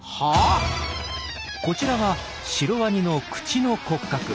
こちらはシロワニの口の骨格。